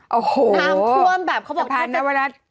เอ้าฮู้จะพันธุ์น้ำวสัตว์